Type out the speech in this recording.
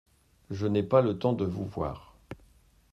Je n’ai pas le temps de vous voir.